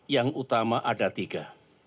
yang utama ada tiga